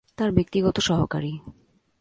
তার ব্যক্তিগত সহকারী।